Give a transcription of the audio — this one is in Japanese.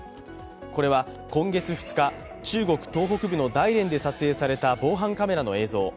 これは今月２日、中国東北部の大連で撮影された防犯カメラの映像。